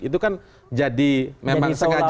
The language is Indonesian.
itu kan jadi memang sengaja